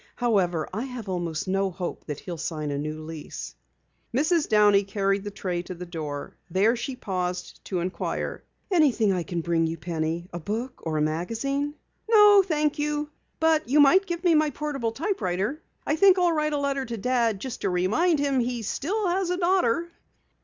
However, I have almost no hope he'll sign a new lease." Mrs. Downey carried the tray to the door. There she paused to inquire: "Anything I can bring you, Penny? A book or a magazine?" "No, thank you. But you might give me my portable typewriter. I think I'll write a letter to Dad just to remind him he still has a daughter."